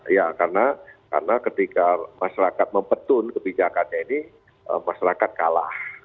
ya karena ketika masyarakat mempetun kebijakannya ini masyarakat kalah